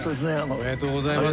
おめでとうございます。